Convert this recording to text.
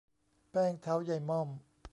แป้งเท้ายายม่อม